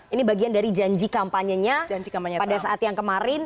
ini bagian dari janji kampanyenya pada saat yang kemarin